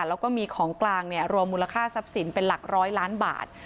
แล้วก็มีของกลางรวมมูลค่าทรัพย์สินเป็นหลักร้อยล้านบาท